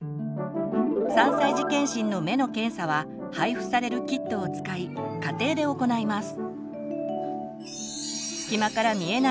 ３歳児健診の目の検査は配布されるキットを使い家庭で行います。